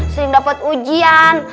sering dapet ujian